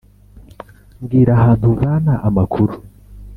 mbwira ahantu uvana amakuru